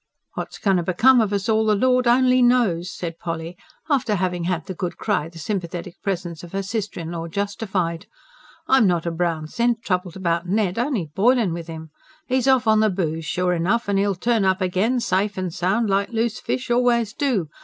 "What's goin' to become of us all, the Lord only knows," said Polly, after having had the good cry the sympathetic presence of her sister in law justified. "I'm not a brown cent troubled about Ned only boiling with 'im. 'E's off on the booze, sure enough and 'e'll turn up again, safe and sound, like loose fish always do.